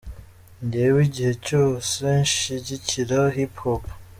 Njyewe igihe cyose nshyigikira Hip Hop.